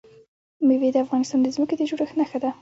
مېوې د افغانستان د ځمکې د جوړښت نښه ده.